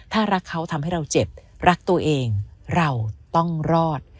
ถ้ารักเขาทำให้เราเจ็บรักตัวเองเราต้องรอด